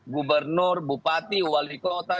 gubernur bupati wali kota